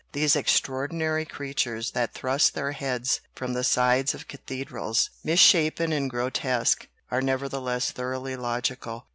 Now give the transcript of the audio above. These extraordinary creatures that thrust their heads from the sides of cathe drals, misshapen and grotesque, are nevertheless thoroughly logical.